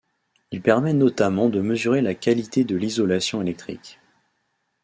Il permet notamment de mesurer la qualité de l'isolation électrique.